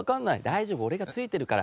「大丈夫俺がついてるから」